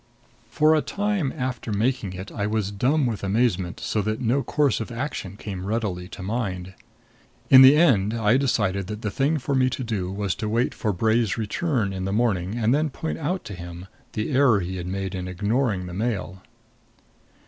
For a time after making it I was dumb with amazement, so that no course of action came readily to mind. In the end I decided that the thing for me to do was to wait for Bray's return in the morning and then point out to him the error he had made in ignoring the Mail.